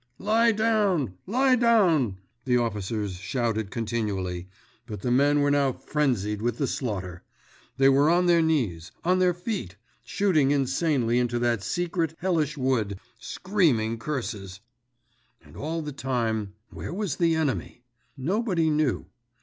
"Lie down! Lie down!" the officers shouted continually, but the men were now frenzied with the slaughter; they were on their knees, on their feet, shooting insanely into that secret, hellish wood, screaming curses. And, all the time, where was the enemy? Nobody knew.